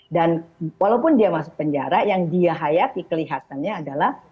dan walaupun dia masuk penjara yang dia hayati kelihatannya adalah